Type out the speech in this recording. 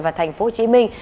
và thành phố hồ chí minh